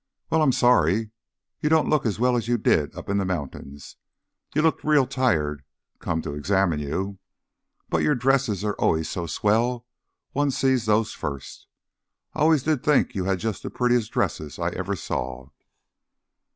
"Well, I'm sorry. You don't look as well as you did up in the mountains; you look real tired, come to examine you. But your dresses are always so swell one sees those first. I always did think you had just the prettiest dresses I ever saw."